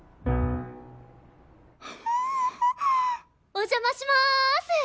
お邪魔します。